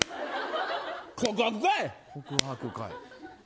告白かい。